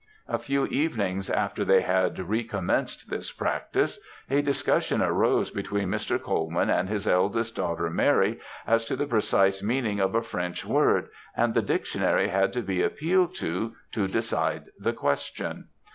A few evenings after they had recommenced this practice, a discussion arose between Mr. Colman and his eldest daughter, Mary, as to the precise meaning of a French word, and the dictionary had to be appealed to to decide the question.